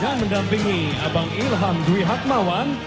dan mendampingi abang ilham dwi hadmawan